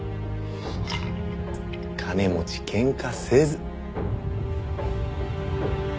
金持ち喧嘩せず。